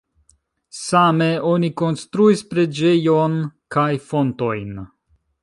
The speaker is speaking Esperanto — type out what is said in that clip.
Same oni konstruis preĝejon kaj fontojn.